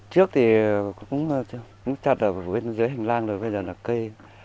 trước thì cũng chặt ở bên dưới hành lang rồi bây giờ là cây